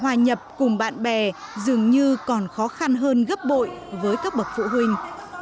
hòa nhập cùng bạn bè dường như còn khó khăn hơn gấp bội với các bậc phụ huynh